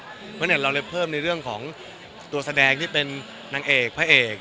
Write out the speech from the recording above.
เพราะฉะนั้นเราเลยเพิ่มในเรื่องของตัวแสดงที่เป็นนางเอกพระเอก